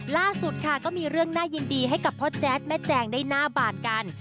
ล่าสุดค่ะก็มีเรื่องน่ายินดีให้กับพ่อแจ๊ดแม่แจงได้หน้าบาดกัน